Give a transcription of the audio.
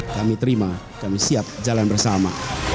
kami terima kami siap jalan bersama